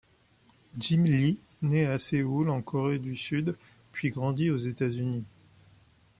Jim Lee naît à Séoul, en Corée du Sud puis grandit aux États-Unis.